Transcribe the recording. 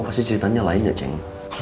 pasti ceritanya lainnya ceng